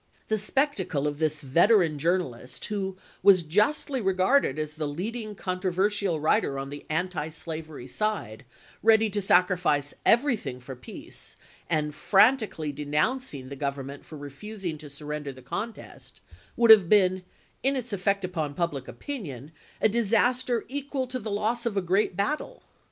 The spectacle of this veteran journal ist, who was justly regarded as the leading contro versial writer on the antislavery side, ready to sacrifice everything for peace, and frantically denouncing the Government for refusing to sur render the contest, would have been, in its effect upon public opinion, a disaster equal to the loss of a great battle.